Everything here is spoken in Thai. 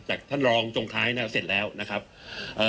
ท่านรองจงท้ายนะครับเสร็จแล้วนะครับเอ่อ